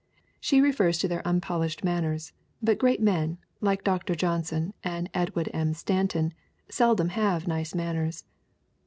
She refers to their unpol ished manners but great men, like Dr. Johnson and Edwin M. Stanton, seldom have nice manners.